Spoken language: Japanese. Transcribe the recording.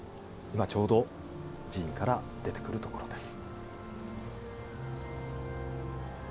今ちょうど寺院から出てくるところです。